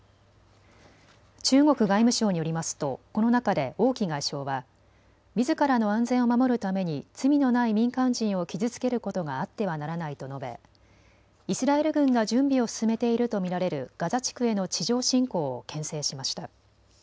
中国外務省によりますとこの中で王毅外相はみずからの安全を守るために罪のない民間人を傷つけることがあってはならないと述べイスラエル軍が準備を進めていると見られるガザ地区への地上侵攻をけん制しました。